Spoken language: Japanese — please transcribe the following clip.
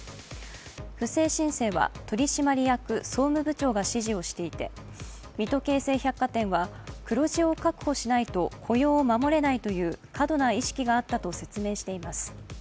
不正申請は取締役総務部長が指示をしていて水戸京成百貨店は黒字を確保しないと雇用を守れないという過度な意識があったと説明しています。